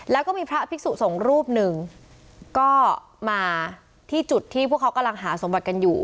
แล้วก็มีพระภิกษุสงฆ์รูปหนึ่งก็มาที่จุดที่พวกเขากำลังหาสมบัติกันอยู่